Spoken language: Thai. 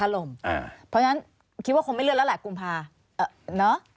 เพราะฉะนั้นคิดว่าคงไม่เลื่อนแล้วแหละกุมภา